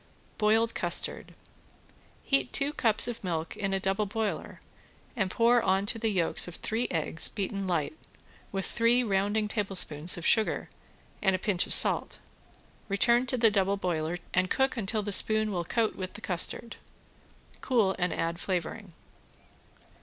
~BOILED CUSTARD~ Heat two cups of milk in a double boiler and pour on to the yolks of three eggs beaten light, with three rounding tablespoons of sugar and a pinch of salt. Return to the double boiler and cook until the spoon will coat with the custard. Cool and add flavoring.